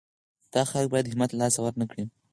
دا خلک باید همت له لاسه ورنه کړي.